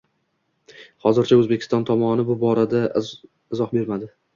Hozircha O'zbekiston tomoni bu borada iy izoh bermadi